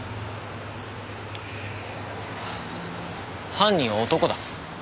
犯人は男だ。